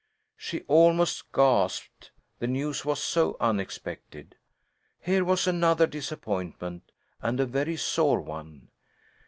She almost gasped, the news was so unexpected. Here was another disappointment, and a very sore one.